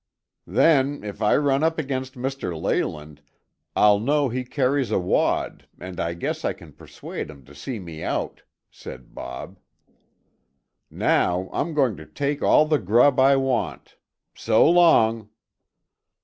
"Then, if I run up against Mr. Leyland, I'll know he carries a wad and I guess I can persuade him to see me out," said Bob. "Now I'm going to take all the grub I want. So long!"